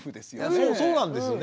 そうなんですよね。